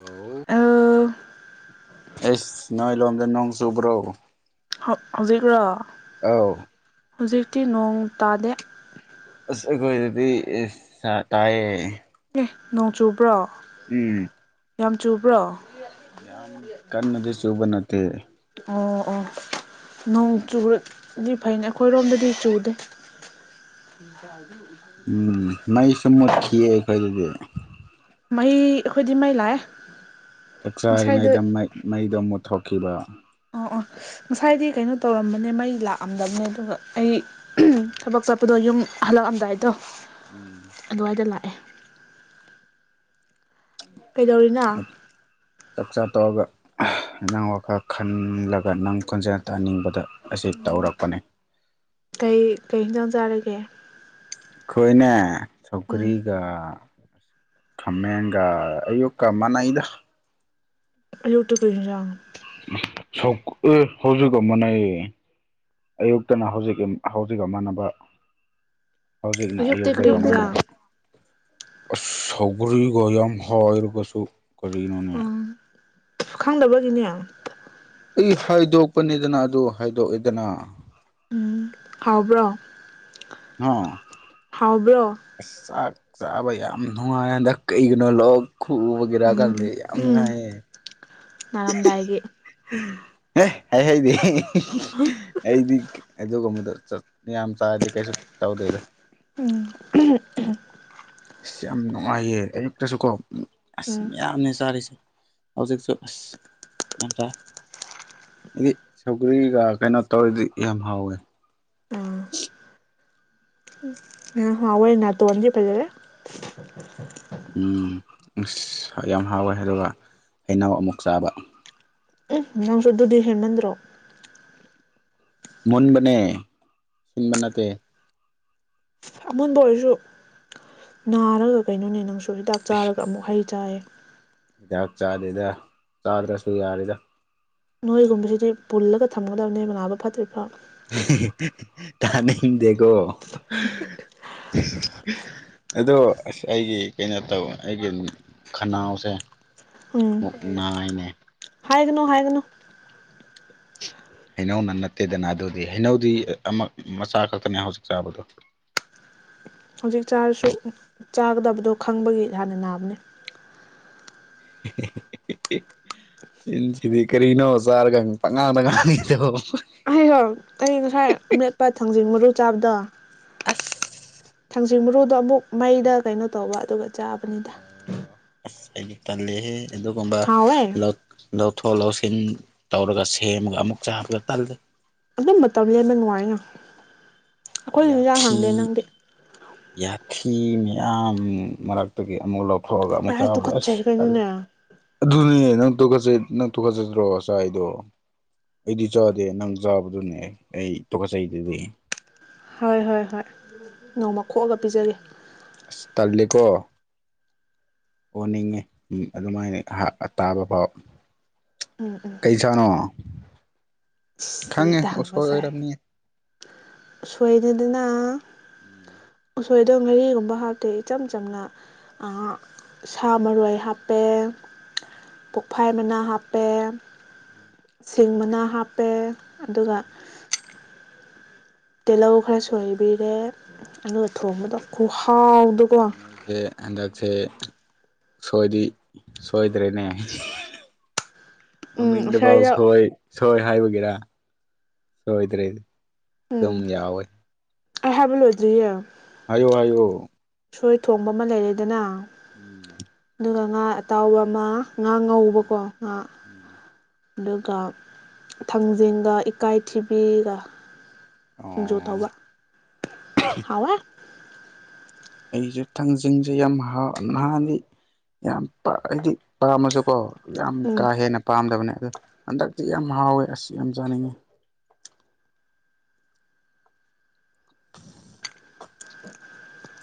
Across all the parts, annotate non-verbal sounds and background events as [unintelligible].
ꯂꯣ [unintelligible] ꯑꯦꯁ ꯅꯣꯏ ꯂꯣꯝꯗ ꯅꯣꯡ ꯆꯨꯕ꯭ꯔꯣ ꯍꯧꯖꯤꯛꯔꯣ ꯑꯧ ꯍꯧꯖꯤꯛꯇꯤ ꯅꯣꯡ ꯇꯥꯗꯦ ꯑꯁ ꯑꯩꯈꯣꯏꯗꯗꯤ ꯇꯥꯏꯌꯦ ꯑꯦ ꯅꯣꯡ ꯆꯨꯕ꯭ꯔꯣ ꯎꯝ ꯌꯥꯝ ꯆꯨꯕ꯭ꯔꯣ ꯌꯥꯝ ꯀꯟꯅꯗꯤ ꯆꯨꯕ ꯅꯠꯇꯦ ꯑꯣ ꯑꯣ ꯅꯣꯡ ꯆꯨꯔꯗꯤ ꯐꯩꯅꯦ ꯑꯩꯈꯣꯏꯔꯣꯝꯗꯗꯤ ꯆꯨꯗꯦ [unintelligible] ꯎꯝ ꯃꯩꯁꯨ ꯃꯨꯠꯈꯤꯌꯦ ꯑꯩꯈꯣꯏꯗꯗꯤ ꯃꯩ ꯑꯩꯈꯣꯏꯗꯤ ꯃꯩ ꯂꯥꯛꯑꯦ ꯆꯥꯛ ꯉꯁꯥꯏꯗ ꯆꯔꯤꯉꯩꯗꯩ ꯃꯩꯗꯣ ꯃꯨꯠꯊꯣꯛꯈꯤꯕ ꯑꯥ ꯑꯥ ꯉꯁꯥꯏꯗꯤ ꯀꯩꯅꯣ ꯇꯧꯔꯝꯕꯅꯦ ꯃꯩ ꯂꯥꯛꯑꯝꯗꯕꯅꯦ ꯑꯗꯨꯒ ꯑꯩ ꯎꯝ ꯊꯕꯛ ꯆꯠꯄꯗꯣ ꯌꯨꯝ ꯍꯜꯂꯛꯑꯝꯗꯥꯏꯗꯣ ꯎꯝ ꯑꯗꯨꯋꯥꯏꯗ ꯂꯥꯛꯑꯦ ꯀꯩꯗꯧꯔꯤꯅ ꯆꯥꯛ ꯆꯥ ꯇꯧꯔꯒ ꯅꯪ ꯋꯥꯈꯜ ꯈꯜꯂꯒ ꯅꯪ ꯀꯣꯟꯖꯦꯜ ꯇꯥꯍꯟꯅꯤꯡꯕꯗ ꯑꯁꯤ ꯎꯝ ꯇꯧꯔꯛꯄꯅꯤ ꯀꯩ ꯀꯩ ꯌꯦꯟꯖꯥꯡ ꯆꯥꯔꯒꯦ ꯑꯩꯈꯣꯏꯅꯦ ꯎꯝ ꯁꯧꯀꯔꯤꯒ ꯈꯝꯃꯒ ꯑꯌꯨꯛ ꯀ ꯃꯥꯟꯅꯏꯗ ꯑꯋꯨꯛꯇꯣ ꯀꯩꯖꯥꯡꯅꯧ ꯁꯖꯨꯒ [unintelligible] ꯃꯅꯩꯌꯦ ꯑꯌꯨꯛꯇꯅ ꯍꯧꯖꯤꯛ ꯍꯧꯖꯤꯛ ꯃꯥꯟꯅꯕ ꯍꯧꯖꯤꯛꯅ ꯑꯌꯨ ꯑꯌꯨꯛꯇꯤ ꯀꯔꯤ ꯌꯦꯟꯖꯥꯡ ꯑ ꯁꯧꯒꯔꯤꯒ ꯌꯥꯝ ꯌꯥꯝ ꯍꯔ ꯀꯁꯨ ꯀꯅꯣꯅꯦ ꯎꯝ ꯈꯪꯗꯕꯒꯤꯅꯦ ꯑꯩ ꯍꯥꯏꯗꯣꯛꯄꯅꯤꯗꯅ ꯑꯗꯨ ꯍꯥꯏꯗꯣꯛꯑꯦꯗꯅ ꯎꯝ ꯍꯥꯎꯕ꯭ꯔꯣ ꯍꯥꯎꯕ꯭ꯔꯣ [unintelligible] ꯆꯥꯛ ꯆꯥꯕ ꯌꯥꯝ ꯅꯨꯡꯉꯥꯏ ꯍꯟꯗꯛ ꯀꯩꯒꯤꯅꯣ ꯂꯣꯛ ꯈꯨꯕ ꯕꯤꯔ ꯥꯟꯙꯤ [unintelligible] ꯌꯥꯝ ꯅꯨꯡꯉꯥꯏꯌꯦ ꯉꯅꯥꯔꯝꯗꯥꯏꯒꯤ ꯍꯥꯏ ꯍꯥꯏꯗꯤ ꯑꯩꯗꯤ ꯑꯗꯨ ꯑꯃꯗ ꯆꯠ ꯌꯥꯝ ꯆꯥꯔꯗꯤ ꯀꯩꯁꯨ ꯇꯧꯗꯦꯗ ꯎꯝ ꯑꯁ ꯌꯥꯝ ꯅꯨꯡꯉꯥꯏꯌꯦ ꯑꯌꯨꯛꯇꯁꯨ ꯀꯣ ꯅꯥꯔꯝꯗꯥꯏꯒꯤ ꯑꯁ ꯎꯝ ꯃꯌꯥꯝꯅꯦ ꯆꯥꯔꯤꯁꯦ ꯍꯧꯖꯤꯛꯁꯨ ꯑꯁ ꯌꯥꯝꯟꯊ [unintelligible] ꯍꯥꯏꯗꯤ ꯁꯧꯒ꯭ꯔꯤꯒ ꯀꯩꯅꯣ ꯇꯧꯔꯗꯤ ꯌꯥꯝ ꯍꯥꯎꯋꯦ ꯎꯝ [inaudible] ꯍꯥꯎꯑꯦ ꯅꯇꯣꯟꯗꯤ ꯐꯖꯔꯦ ꯎꯝ ꯑꯁ ꯌꯥꯝ ꯍꯥꯎꯋꯦ ꯑꯗꯨꯒ ꯍꯩꯅꯧ ꯑꯃꯨꯛ ꯆꯥꯕ ꯅꯪꯁꯨ ꯗꯨꯗꯤ ꯍꯦꯃꯟꯗ꯭ꯔꯣ ꯃꯨꯟꯕꯅꯦ ꯁꯤꯟꯕ ꯅꯠꯇꯦ ꯑꯃꯣꯟꯕ ꯑꯣꯏꯔꯁꯨ ꯅꯥꯔꯒ ꯀꯩꯅꯣꯅꯦ ꯅꯪꯁꯨ ꯍꯤꯗꯥꯛ ꯆꯥꯔꯒ ꯑꯃꯨꯛ ꯍꯩ ꯆꯥꯏꯌꯦ ꯍꯤꯗꯥꯛ ꯆꯥꯗꯦꯗ ꯆꯥꯗ꯭ꯔꯁꯨ ꯌꯥꯔꯦꯗ ꯅꯣꯏꯒꯨꯝꯕꯁꯤꯗꯤ ꯄꯨꯜꯂꯒ ꯊꯝꯒꯗꯕꯅꯦ ꯅꯥꯕ ꯐꯠꯇ꯭ꯔꯤ ꯐꯥꯎ ꯇꯥꯅꯤꯡꯗꯦꯀꯣ ꯑꯗꯣ ꯑꯁ ꯑꯩꯒꯤ ꯀꯩꯅꯣ ꯇꯧꯋꯦ ꯑꯩꯒꯤ ꯈꯅꯥꯎꯁꯦ ꯅꯥꯏꯅꯦ ꯍꯥꯏꯒꯅꯣ ꯍꯥꯏꯒꯅꯣ ꯍꯩꯅꯧꯅ ꯅꯠꯇꯦꯗꯅ ꯑꯗꯨꯗꯤ ꯍꯩꯅꯧꯗꯤ ꯑꯃ ꯃꯆꯥ ꯈꯛꯇꯅꯦ ꯍꯧꯖꯤꯛ ꯆꯥꯕꯗꯣ ꯍꯧꯖꯤꯛ ꯆꯥꯔꯁꯨ ꯆꯥꯒꯗꯕꯗꯣ ꯈꯪꯕꯒꯤ ꯍꯥꯟꯅ ꯅꯥꯕꯅꯤ [inaudible] ꯏꯟꯁꯤꯗꯤ ꯀꯔꯤꯅꯣ ꯆꯥꯔꯒ ꯄꯛꯉꯥꯡꯇ ꯉꯥꯡꯉꯤꯗꯣ [inaudible] ꯑꯩ ꯉꯁꯥꯏ ꯑꯥꯃ‌ꯦꯠꯄ ꯊꯥꯡꯖꯤꯡ ꯃꯔꯨ ꯆꯥꯕꯗꯣ ꯑꯁ ꯊꯥꯡꯖꯤꯡ ꯃꯔꯨꯗꯣ ꯑꯃꯨꯛ ꯃꯩꯗ ꯀꯩꯅꯣ ꯇꯧꯕ ꯑꯗꯨꯒ ꯆꯥꯕꯅꯤꯗ ꯑ ꯍꯥꯏꯗꯤ ꯇꯥꯟꯂꯍꯦ ꯑꯗꯨꯒꯨꯝꯕ ꯍꯥꯎꯋꯦ ꯂ ꯂꯧꯊꯣꯛ ꯂꯧꯁꯤꯟ ꯇꯧꯔꯒ ꯁꯦꯝꯃꯒ ꯑꯃꯨꯛ ꯆꯥꯕꯗ ꯇꯜꯂꯤ ꯑꯗꯨꯝꯕ ꯃꯇꯝ ꯂꯦꯟꯕ ꯅꯨꯡꯉꯥꯏꯅ ꯑꯩꯈꯣꯏꯒꯤ [inaudible] ꯌꯥꯊꯤ ꯍꯪꯗꯦ ꯅꯪꯗꯤ ꯌꯥꯊꯤ ꯃꯌꯥꯝ ꯃꯔꯛꯇꯒꯤ ꯑꯃꯨꯛ ꯂꯧꯊꯣꯛꯑꯒ ꯑꯃꯨꯛ ꯑꯩ ꯆꯥꯕꯗꯣ ꯑꯁ ꯇꯨꯀꯠꯆꯩ ꯇꯜꯂꯤ ꯀꯩꯅꯣꯅꯦ ꯑꯗꯨꯅꯤꯅ‌ꯦ ꯅꯪ ꯇꯨꯀꯠꯆꯩ ꯅꯪ ꯇꯨꯀꯠꯆꯗ꯭ꯔ‌ꯣ ꯆꯥꯏꯗ‌ꯣ ꯑꯩꯗꯤ ꯆꯥꯗꯦ ꯅꯪ ꯆꯥꯕꯗꯨꯅꯦ ꯑꯩ ꯇꯣꯀꯠꯆꯩꯗꯨꯗꯤ ꯍꯣꯏ ꯍꯣꯏ ꯍꯣꯏ ꯅꯣꯡꯃ ꯈꯣꯛꯑꯒ ꯄꯤꯖꯒꯦ ꯑꯁ ꯇꯜꯜꯂꯤꯀꯣ ꯑꯣꯅꯤꯡꯉꯦ ꯑꯗꯨꯃꯥꯏꯅ ꯇꯥꯕ ꯐꯥꯎ ꯎꯝ ꯎꯝ ꯏꯁꯥꯅꯣ ꯏꯁ ꯈꯪꯉꯦ ꯑꯣꯁꯣꯏ ꯑꯣꯏꯔꯝꯅꯤꯌꯦ ꯁꯣꯏꯔ‌ꯦꯗꯅ [inaudible] ꯎꯁꯣꯏꯗ ꯉꯥꯔꯤꯒꯨꯝꯕ ꯍꯥꯞꯇꯦ ꯏꯆꯝ ꯆꯝꯅ ꯁꯥ ꯃꯔꯣꯏ ꯍꯥꯞꯄꯦ ꯄꯣꯛꯐꯥꯏ ꯃꯅꯥ ꯍꯥꯞꯄꯦ ꯁꯤꯡ ꯃꯅꯥ ꯍꯥꯞꯄꯦ ꯑꯗꯨꯒ ꯇꯤꯜꯍꯧ ꯈꯔꯁꯨꯣꯏꯕꯤꯔꯦ ꯑꯗꯨꯒ ꯊꯣꯡꯕꯗꯣ ꯈꯨꯍꯥꯎꯗ ꯅꯣꯏꯁꯦ ꯍꯟꯗꯛꯁꯦ ꯁꯣꯏꯗꯤ ꯁꯣꯏꯗ꯭ꯔꯦꯅꯦ ꯎꯝ ꯃꯃꯤꯡꯗ ꯐꯥꯎ ꯉꯁꯥꯏꯗ ꯁꯣꯏ ꯁꯣꯏ ꯍꯥꯏꯕꯒꯤꯔ ꯁꯣꯏꯗ꯭ꯔꯦ ꯎꯝ ꯑꯗꯨꯝ ꯌꯥꯎꯋꯦ ꯑꯩ ꯍꯥꯏꯕ ꯂꯣꯏꯗꯔ꯭ꯤꯌꯦ ꯍꯥꯏꯌꯣ-ꯍꯥꯏꯌꯣ ꯎꯁꯣꯏ ꯊꯣꯡꯕ ꯑꯃ ꯂꯩꯔꯦꯗꯅ ꯎꯝ ꯑꯗꯨꯒ ꯉꯥ ꯑꯇꯥꯎꯕ ꯑꯃ ꯉꯥ ꯎꯝ ꯉꯧꯕꯀꯣ ꯉꯥ [inaudible] ꯑꯗꯨꯒ ꯊꯥꯡꯖꯤꯡꯒ ꯏꯀꯥꯏꯊꯤꯕꯤꯒ ꯁꯤꯡꯖꯨ ꯑꯣ ꯊꯧꯕ ꯍꯥꯎꯋꯦ ꯑꯩꯁꯨꯦ ꯊꯥꯡꯖꯤꯡꯁꯦ ꯌꯥꯝ ꯍꯥꯎ ꯅꯍꯥꯟꯅꯤ ꯌꯥꯝ ꯑꯩꯗꯤ ꯄꯥꯝꯃꯁꯨꯀꯣ ꯌꯥꯝ ꯎꯝ ꯀꯥ ꯍꯦꯟꯅ ꯄꯥꯝꯗꯕꯅꯦ ꯑꯗꯣ ꯍꯟꯗꯛꯇꯤ ꯌꯥꯝ ꯍꯥꯎꯋꯦ ꯑꯁꯤ ꯌꯥꯝ ꯆꯥꯅꯤꯡꯉꯤ [inaudible]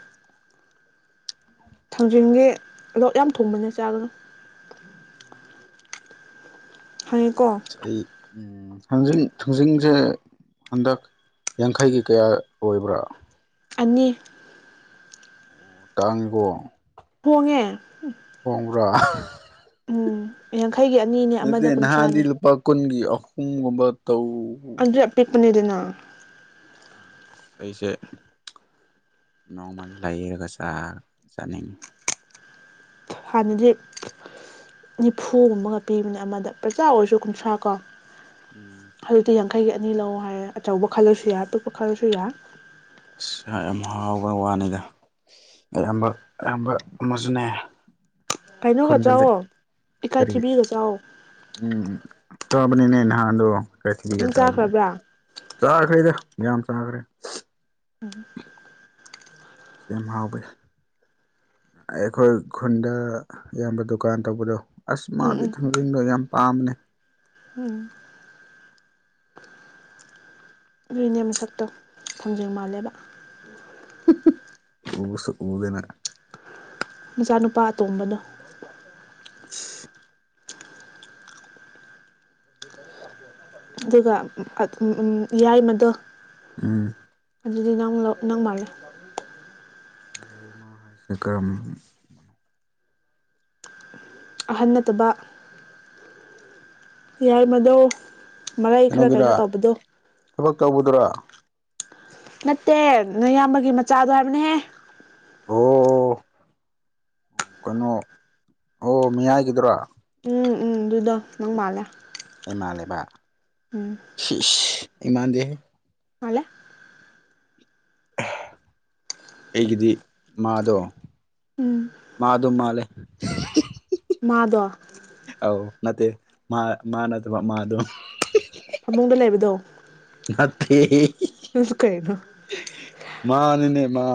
ꯊꯥꯡꯖꯤꯡꯗꯤ ꯂ‌ꯣꯛ ꯌꯥꯝ ꯊꯨꯡꯕꯅꯦ ꯆꯥꯒꯅꯨ ꯍꯥꯏꯀꯣ ꯑꯁ ꯑꯩ ꯊꯥꯡꯖꯤꯡ ꯊꯥꯡꯖꯤꯡꯁꯦ ꯍꯟꯗꯛ ꯌꯥꯡꯈꯩꯒꯤ ꯀꯌꯥ ꯑꯣꯏꯕ꯭ꯔꯥ ꯑꯅꯤ ꯀꯥꯡ ꯏꯕꯣ ꯍꯣꯡꯉꯦ ꯀꯣꯡꯒ꯭ꯔꯣ ꯎꯝ ꯌꯥꯡꯈꯩꯒꯤ ꯑꯅꯤꯅꯦ ꯅꯠꯇꯦ ꯑꯃꯗ ꯅꯍꯥꯟꯗꯤ ꯀꯨꯟꯊ꯭ꯔꯥꯅꯦ ꯂꯨꯄꯥ ꯀꯨꯟꯒꯤ ꯑꯍꯨꯝꯒꯨꯝꯕ ꯇꯧ ꯑꯗꯨ ꯑꯄꯤꯛꯄꯅꯦꯗꯅ ꯎꯝ ꯑꯁ ꯑꯩꯁꯦ ꯅꯣꯡꯃ ꯂꯩꯔꯒ ꯆꯥꯅꯤꯡꯉꯤ ꯍꯥꯟꯅꯗꯤ ꯅꯤꯐꯨꯒꯨꯝꯕꯒ ꯄꯤꯕꯅꯦ ꯑꯃꯗ ꯄ꯭ꯔꯖꯥ ꯑꯣꯏꯔꯁꯨ ꯀꯨꯟꯊ꯭ꯔꯥ ꯀꯣ [inaudible] ꯍꯧꯛꯇꯤ ꯌꯥꯡꯈꯩꯒꯤ ꯑꯅꯤ ꯂꯧ ꯍꯥꯏꯔꯦ ꯑꯆꯧꯕ ꯈꯜꯂꯁꯨ ꯌꯥ ꯑꯄꯤꯛꯄ ꯈꯜꯂꯁꯨ ꯌꯥ ꯏꯁꯥ ꯌꯥꯝ ꯍꯥꯎꯕ ꯋꯥꯅꯤꯗ ꯑꯌꯥꯝꯕ ꯑꯌꯥꯝꯕ ꯑꯃꯁꯨꯅꯦ ꯀꯩꯅꯣꯒ ꯈꯨꯟꯗ ꯂꯩ ꯆꯥꯎꯋꯣ ꯏꯀꯥꯏ ꯀꯔꯤ ꯊꯤꯕꯤꯒ ꯆꯥꯛꯣ ꯎꯝ ꯆꯕꯅꯤꯅꯦ ꯅꯍꯥꯟꯗꯣ ꯀꯩꯁꯤꯒ ꯅꯪ ꯆꯕꯅꯤ ꯆꯥꯈ꯭ꯔꯕ꯭ꯔꯥ ꯆꯥꯈ꯭ꯔꯦꯗ ꯌꯥꯝ ꯆꯥꯈ꯭ꯔꯦ ꯁꯤ ꯌꯥꯝ ꯍꯥꯎꯋꯤ ꯑꯩꯈꯣꯏ ꯈꯨꯟꯗ ꯏꯌꯥꯝꯕ ꯗꯨꯀꯥꯟ ꯇꯧꯕꯗꯣ ꯑꯁ ꯎꯝ ꯃꯥꯗꯤ ꯎꯝ ꯊꯝ ꯔꯤꯡꯒ ꯌꯥꯝ ꯄꯥꯝꯅꯦ ꯎꯝ ꯔꯤꯅꯦ ꯃꯁꯛꯇ ꯈꯣꯡꯖꯤꯡ ꯃꯥꯜꯂꯦꯕ [inaudible] ꯃꯆꯥꯅꯨꯄꯥ ꯑꯇꯣꯝꯕꯅꯣ ꯑꯗꯨꯒ ꯌꯥꯏꯃꯗꯣ ꯎꯝ ꯑꯗꯨꯗꯤ ꯅꯪ ꯅꯪ ꯃꯥꯜꯂꯦ ꯌꯥꯏꯃ ꯍꯥꯏꯁ ꯀꯥꯝ ꯑꯍꯟ ꯅꯠꯇꯕ ꯌꯥꯏꯃꯗꯣ ꯃꯔꯩ ꯈꯔ ꯀꯩꯅꯣꯒꯤꯔ ꯀꯩꯅ ꯇꯕꯗꯣ ꯊꯕꯛ ꯇꯧꯕꯗꯨꯔ ꯅꯠꯇꯦ ꯅꯌꯥꯝꯕꯒꯤ ꯃꯆꯥꯗꯣ ꯍꯥꯏꯕꯅꯦꯍꯦ ꯑꯣ ꯀꯩꯅꯣ ꯑꯣ ꯃꯤ ꯍꯥꯏꯒꯗ꯭ꯔꯥ ꯎꯝ-ꯎꯝ ꯑꯗꯨꯗꯣ ꯅꯪ ꯃꯥꯜꯂꯦ ꯏꯃꯥꯂꯦꯕ ꯎꯝ ꯏꯃꯥꯟꯗꯦ ꯍꯂ ꯑꯩꯒꯤꯗꯤ ꯃꯥꯗꯣ ꯎꯝ ꯃꯥꯗꯨ ꯃꯥꯂꯦ ꯃꯥꯗ‌ꯣ ꯑ ꯅꯠꯇꯦ ꯃꯥ ꯃꯥ ꯅꯠꯇ ꯃꯥ ꯑꯗꯨ ꯐꯃꯨꯡꯗ ꯂꯩꯕꯗꯣ ꯉꯠꯇ ꯀꯩꯅꯣ ꯃꯥꯅꯤꯅꯦ ꯃꯥ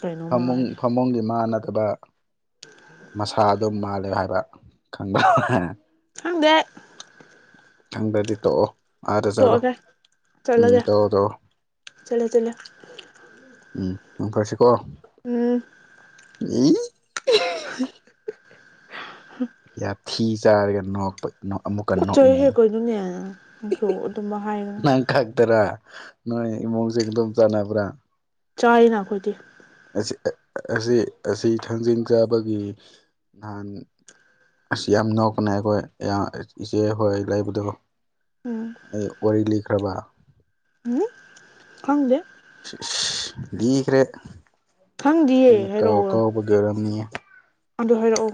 ꯀꯩꯅꯣ ꯃꯥ ꯐꯃꯨꯡ ꯍꯥꯏꯁꯦ ꯐꯃꯨꯡꯒꯤ ꯃꯥꯟꯅꯗꯕ ꯃꯁꯥ ꯑꯗꯨꯝ ꯃꯥꯜꯂꯦ ꯍꯥꯏꯕ ꯈꯪꯗ ꯈꯪꯗꯦ ꯈꯪꯗ꯭ꯔꯗꯤ ꯇꯣꯛꯑꯣ ꯑꯔꯦ ꯆꯂꯣ ꯇꯣꯛꯑꯒꯦ ꯎꯝ ꯆꯠꯂꯒꯦ ꯇꯧ ꯇꯋꯣ ꯆꯠꯂꯦ ꯆꯠꯂꯦ ꯎꯝ ꯐꯔꯁꯤꯀꯣ ꯎꯝ ꯑ [inaudible] ꯌꯥꯊꯤ ꯆꯥꯔꯒ ꯅꯣꯛꯄ ꯅꯣ ꯑꯃꯨꯛꯀꯟꯅ ꯆꯣꯏ ꯍꯦ ꯀꯩꯅ‌ꯣꯅ‌ꯦ ꯅꯪꯁꯨ ꯑꯗꯨꯃꯥꯏ ꯍꯥꯏꯒꯅꯨ ꯅꯪ ꯈꯛꯇꯔꯥ ꯅꯣꯏ ꯏꯃꯨꯡꯁꯦ ꯑꯗꯨꯝ ꯆꯥꯟꯅꯕ꯭ꯔꯥ ꯆꯥꯏꯅ ꯑꯩꯈꯣꯏꯗꯤ ꯑꯁꯤ-ꯑꯁꯤ ꯊꯥꯡꯖꯤꯡ ꯆꯥꯕꯒꯤ ꯅꯍꯥꯟ ꯑꯁꯤ ꯌꯥꯝ ꯅꯣꯛꯄꯅꯦ ꯑꯩꯈꯣꯏ ꯏꯆꯦ ꯍꯣꯏ ꯂꯩꯕꯗꯕꯨ ꯎꯝ ꯑꯩ ꯋꯥꯔꯤ ꯂꯤꯈ꯭ꯔꯕ ꯈꯥꯡꯗ [unintelligible] ꯂꯤꯈ꯭ꯔꯦ ꯑꯩꯅ ꯈꯪꯗꯤꯌꯦ ꯀꯥꯎ ꯀꯥꯎꯕꯒꯤ ꯑꯣꯏꯔꯝꯅꯤꯌꯦ ꯑꯗꯨꯗ ꯍꯥꯏꯔꯛꯑꯣ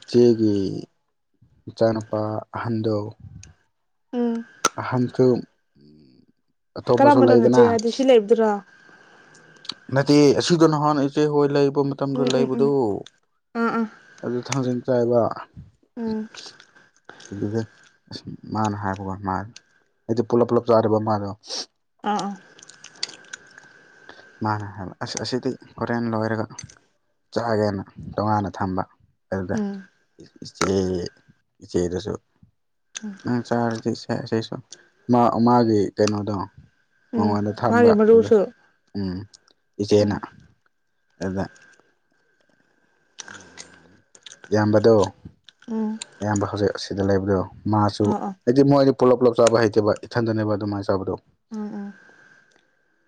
ꯏꯆꯦꯒꯤ ꯏꯆꯥꯅꯨꯄꯥ ꯑꯍꯟꯗ‌ꯣ ꯎꯝ ꯑꯥꯟꯕꯁꯨ ꯀꯔꯝꯕꯅꯣ ꯅꯠꯆꯦ ꯍꯥꯏꯗꯤ ꯁꯤ ꯂꯩꯕꯗꯨꯔ‌ꯣ ꯅꯠꯇꯦ ꯑꯁꯤꯗꯣ ꯅꯍꯥꯟ ꯏꯆꯦ ꯍꯣꯏ ꯂꯩꯕ ꯃꯇꯝꯗ ꯎꯝ ꯎꯝ ꯂꯩꯕꯗꯨ ꯎꯝ ꯑꯥ ꯑꯥ ꯑꯗꯨ ꯊꯥꯡꯖꯤꯡ ꯆꯥꯏꯕ ꯎꯝ ꯑꯗꯨꯗ ꯑꯁ ꯃꯥꯅ ꯍꯥꯏꯕ ꯃꯥ ꯑꯩꯗꯤ ꯄꯨꯂꯞ ꯄꯨꯂꯞ ꯆꯥꯔꯦꯔꯤꯕ ꯃꯥꯗꯣ ꯑꯥ ꯑꯥ ꯃꯥꯅ ꯍꯥꯏꯕ ꯑꯁ ꯑꯁꯤꯗꯤ ꯍꯣꯔꯦꯟ ꯂꯣꯏꯔꯒ ꯆꯥꯛꯒꯦꯅ ꯇꯣꯉꯥꯟꯅ ꯊꯝꯕ ꯑꯗꯨꯗ ꯎꯝ ꯏꯆꯦ ꯏꯆꯦꯗꯁꯨ ꯅꯪ ꯆꯥꯔꯗꯤ ꯁꯦ ꯁꯤꯁꯨ ꯃꯥ ꯃꯥꯒꯤ ꯀꯩꯅꯣꯗꯣ ꯎꯝ ꯃꯉꯣꯟꯗ ꯊꯝꯕ ꯃꯥꯒꯤ ꯑꯗꯨꯗ‌ꯣ ꯃꯔꯨꯁꯨ ꯎꯝ ꯏꯆꯦꯅ ꯎꯝ ꯑꯗꯨꯗ ꯏꯌꯥꯝꯕꯗꯣ ꯎꯝ ꯑꯌꯥꯝꯕ ꯍꯧꯖꯤꯛ ꯑꯁꯤꯗ ꯂꯩꯕꯗꯣ ꯃꯥꯁꯨ ꯑꯥ ꯑꯥ ꯍꯥꯏꯗꯤ ꯃꯣꯏꯗꯤ ꯄꯨꯂꯞ-ꯄꯨꯂꯞ ꯆꯥꯕ ꯍꯩꯇꯦꯕ ꯏꯊꯟꯗꯅꯦꯕ ꯑꯗꯨꯃꯥꯏꯅ ꯆꯥꯕꯗꯣ ꯎꯝ ꯎꯝ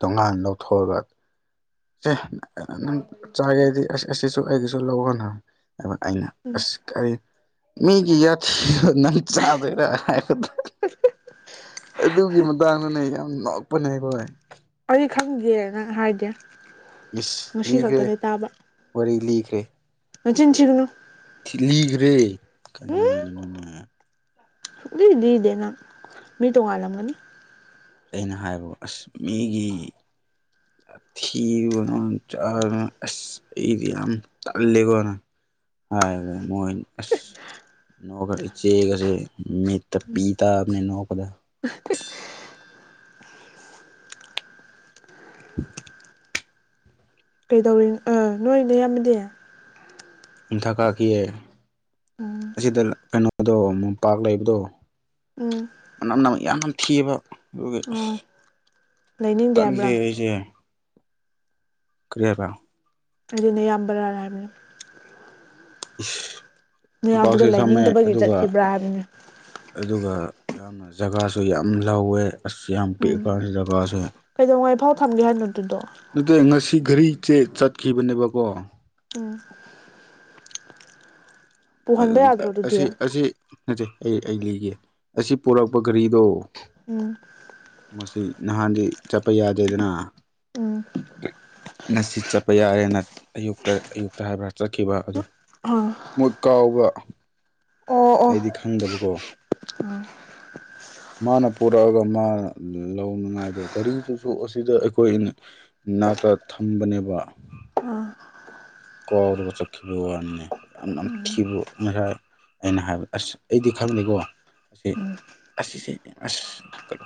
ꯇꯣꯉꯥꯟꯅ ꯂꯧꯊꯣꯛꯑꯒ ꯁꯦ ꯅꯪ ꯆꯥꯒꯦꯗꯤ ꯑꯁ ꯑꯁꯤꯁꯨ ꯑꯩꯒꯤꯁꯨ ꯂꯧꯒ‌ꯣꯅ ꯑꯗꯨꯒ ꯑꯩꯅ ꯎꯝ ꯑꯁ ꯀꯔꯤ ꯃꯤꯒꯤ ꯌꯥ ꯊ ꯅ ꯆꯥꯗꯔꯗ ꯑꯗꯨꯒꯤ ꯃꯇꯥꯡꯗꯅꯦ ꯌꯥꯝ ꯅꯣꯛꯄꯅꯦ ꯑꯩꯈꯣꯏ ꯑꯩ ꯈꯪꯗꯦ ꯅꯪ ꯍꯥꯏꯒꯦ ꯌꯦꯁ ꯂꯤꯈ꯭ꯔꯦ ꯋꯥꯔꯤ ꯂꯤꯈ꯭ꯔꯦ ꯅꯆꯤꯟꯊꯤꯒꯅꯨ ꯊꯤꯂꯤꯈ꯭ꯔꯦ ꯀꯟꯅ ꯑꯗꯨꯗꯤꯗꯦꯅ ꯃꯤ ꯇꯣꯡꯉꯜꯂꯝꯒꯅꯤ ꯑꯩꯅ ꯍꯥꯏꯕꯕꯨ ꯑꯁ ꯃꯤꯒꯤ ꯊꯤꯔ ꯅ ꯆꯥ ꯑ ꯑꯩꯗꯤ ꯌꯥꯝ ꯆꯂꯦꯀꯣꯅ ꯍꯥꯏ ꯃꯁ ꯅꯣꯛꯈ ꯈꯆꯦ ꯀꯁꯦ ꯃꯦꯠꯇ ꯄꯤꯇꯅꯤ ꯅꯣꯈꯗ [inaudible] [inaudible] ꯀꯩꯗꯧꯔꯤ ꯑꯥ ꯅꯣꯏ ꯅꯣꯏ ꯌꯥꯝꯃꯗꯤ ꯑꯝꯊꯛ ꯀꯥꯈꯤꯌꯦ ꯎꯝ ꯑꯁꯤꯗ ꯀꯩꯅꯣꯗꯣ ꯃꯣꯝꯄꯥꯛ ꯂꯩꯕꯗꯣ ꯎꯝ ꯃꯅꯝꯅ ꯌꯥꯝꯅ ꯊꯤꯕ ꯑꯗꯨꯒꯤ ꯑꯁ ꯑꯣ ꯂꯩꯅꯤꯡꯗꯦ ꯇꯟꯗꯦ ꯍꯥꯏꯕ꯭ꯔꯥ ꯑꯩꯁꯦ ꯀ꯭ꯔꯤꯕ ꯑꯗꯨꯅꯦ ꯌꯥꯝꯕꯔꯥꯔ ꯍꯥꯏꯕꯅꯤ [unintelligible] ꯅꯥꯌꯥꯝꯕꯗꯣ ꯃꯣꯝꯄꯥꯛꯁꯨ ꯊꯝꯃꯦ ꯂꯩꯅꯤꯡꯗꯕꯒꯤ ꯑꯗꯨꯒ ꯆꯠꯈꯤꯕ꯭ꯔꯥ ꯍꯥꯏꯕꯅꯤ ꯑꯗꯨꯒ ꯌꯥꯝꯅ ꯖꯒꯥꯁꯨ ꯌꯥꯝ ꯂꯧꯋꯦ ꯑꯁ ꯌꯥꯝ ꯄꯤꯛꯄꯁꯤ ꯖꯒꯥꯁꯤ ꯀꯩꯗꯧꯉꯥꯏꯐꯥꯎ ꯊꯝꯒꯦ ꯍꯥꯏꯕꯅꯣ ꯑꯗꯨꯗꯣ ꯅꯠꯇꯦ ꯉꯁꯤ ꯘꯔꯤꯁꯦ ꯆꯠꯈꯤꯕꯅꯦꯕꯀꯣ ꯎꯝ [unintelligible] ꯄꯨꯍꯟꯕ ꯌꯥꯗ꯭ꯔꯣ ꯑꯗꯨꯗꯤ ꯑꯁꯤ ꯑꯁꯤ ꯅꯠꯇꯩ ꯑꯩ ꯑꯩ ꯂꯤꯒꯦ ꯑꯁꯤ ꯄꯨꯔꯛꯄ ꯒꯥꯔꯤꯗꯣ ꯑ ꯃꯁꯤ ꯅꯍꯥꯟꯗꯤ ꯆꯠꯄ ꯌꯥꯗꯦꯗꯅ ꯎꯝ ꯉꯁꯤ ꯆꯠꯄ ꯌꯥꯔꯦꯅ ꯑꯌꯨꯛꯇ ꯑꯌꯨꯛꯇ ꯍꯥꯏꯕ꯭ꯔꯥ ꯆꯠꯈꯤꯕ ꯑꯗꯨꯗꯣ ꯍꯣꯏ ꯀꯥꯎꯕ ꯑꯣ ꯑꯩꯗꯤ ꯈꯪꯗꯕꯀꯣ ꯃꯥꯅ ꯄꯣꯔꯛꯑꯒ ꯃꯥ ꯂꯧꯅꯉꯥꯏꯗꯣ ꯀꯔꯤꯗꯨꯁꯨ ꯑꯁꯤꯗ ꯑꯩꯈꯣꯏ ꯅꯥꯛꯇ ꯊꯝꯕꯅꯦꯕ ꯑ [unintelligible] ꯆꯈꯤꯕ ꯋꯥꯅꯤꯅꯦ ꯌꯥꯝ [unintelligible] ꯑꯩꯅ ꯍꯥꯏꯕ ꯑꯁ ꯑꯩꯗꯤ ꯈꯪꯗꯦꯀꯣ [inaudible] ꯑꯁꯤꯁꯦ ꯑꯁ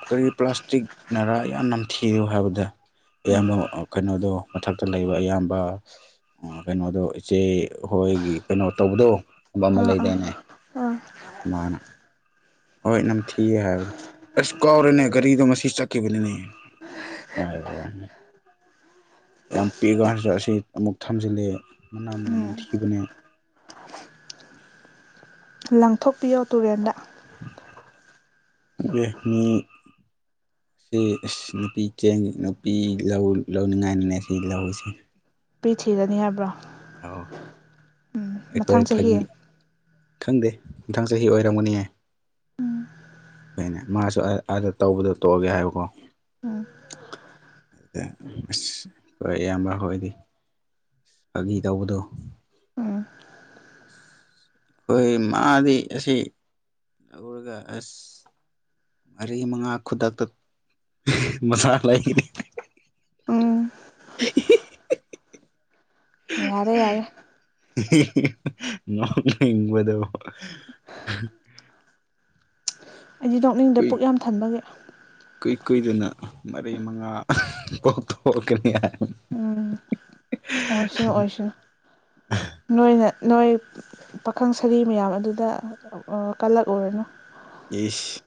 ꯀꯔꯤ ꯄ꯭ꯂꯥꯁꯇꯤꯛꯅꯔꯥ ꯌꯥꯝ ꯅꯝꯊꯤ [inaudible] ꯍꯥꯏꯕꯗ ꯎꯝ ꯑꯌꯥꯝꯕ ꯀꯩꯅꯣꯗꯣ ꯃꯊꯛꯇ ꯂꯩꯕ ꯑꯌꯥꯝꯕ ꯀꯩꯅꯣꯗꯣ ꯏꯆꯦ ꯍꯣꯏꯒꯤ ꯀꯩꯅꯣ ꯇꯧꯕꯗꯣꯕ ꯑꯃ ꯑꯥ ꯑꯥ ꯂꯩꯗꯥꯏꯅꯦ [unintelligible] ꯑꯁ ꯃꯥꯅ ꯍꯣꯏ ꯅꯝꯊꯤꯌꯦ ꯍꯥꯏꯕꯗ ꯑꯁꯨ ꯀꯥꯎꯔꯦꯅꯦ ꯒꯥꯔꯤꯗꯣ ꯉ ꯆꯠꯈꯤꯕꯅꯤꯅꯦ ꯍꯥꯏ ꯌꯥꯝ ꯄꯤꯛꯑꯒ [inaudible] ꯑꯁꯤ ꯑꯃꯨꯛ ꯊꯝꯖꯤꯜꯂꯑꯦ ꯃꯅꯝꯅ ꯎꯝ ꯅꯝꯊꯤꯕꯅꯦ ꯂꯪꯊꯣꯛꯄꯤꯌꯣ ꯇꯨꯔꯦꯟꯗ [unintelligible] ꯃꯤ ꯁꯤ ꯅꯨꯄꯤ ꯆꯦꯡ ꯅꯨꯄꯤ ꯂꯧ ꯂꯧꯅꯤꯡꯉꯥꯏꯅꯅꯦ ꯁꯤ ꯂꯧꯁꯤ ꯅꯨꯄꯤ ꯊꯤꯔꯅꯤ ꯍꯥꯏꯕ꯭ꯔꯣ [inaudible] ꯎꯝ ꯑꯩꯈꯣꯏ ꯃꯊꯪ ꯐꯥꯒꯤ ꯆꯍꯤ ꯈꯪꯗꯦ ꯃꯊꯥꯡ ꯆꯍꯤ ꯑꯣꯏꯔꯝꯒꯅꯤꯌꯦ ꯀꯅꯦ ꯃꯥꯁꯨ ꯑꯥꯗ ꯇꯧꯕꯗꯣ ꯇꯣꯛꯑꯒꯦ ꯍꯥꯏꯌꯨꯀꯣ ꯎꯝ ꯑ ꯑꯁ ꯍꯣꯏ ꯑꯌꯥꯝꯕ ꯍꯣꯏꯗꯤ ꯐꯥꯒꯤ ꯇꯧꯕꯗꯣ ꯎꯝ ꯑꯩꯈꯣꯏ ꯃꯥꯗꯤ ꯑꯁꯤ ꯂꯧꯔꯒ ꯑꯁ ꯃꯔꯤ ꯃꯉꯥ ꯈꯨꯗꯛꯇ ꯃꯁꯥ ꯂꯩꯈꯤꯗꯦ ꯎꯝ [unintelligible] ꯌꯥꯔꯦ ꯌꯥꯔꯦ [unintelligible] ꯅꯣꯛꯅꯤꯡꯕꯗꯣ ꯑꯩꯗꯤ ꯅꯣꯛꯅꯤꯡꯗ ꯄꯨꯛ ꯌꯥꯝ ꯊꯟꯕꯒꯤ ꯏꯀꯨꯏ ꯀꯨꯏꯗꯅ ꯃꯔꯤ ꯃꯉꯥ ꯀꯣꯛꯊꯣꯛꯀꯅꯤ ꯍꯥꯏ [inaudible] ꯎꯝ ꯑꯣꯏꯁꯅꯨ ꯑꯣꯏꯁꯅꯨ ꯅꯣꯏꯅ ꯅꯣꯏ ꯄꯥꯈꯪ ꯁꯔꯤ ꯃꯌꯥꯝ ꯑꯗꯨꯗ ꯀꯜꯂꯛꯎꯨꯔꯅꯨ ꯏꯁ